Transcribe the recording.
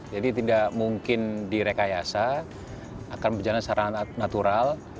jadi tidak mungkin direkayasa akan berjalan secara natural